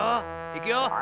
いくよ。